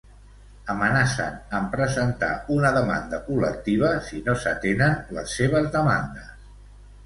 Amenacen amb presentar una demanda col·lectiva si no s'atenen les seves demandes.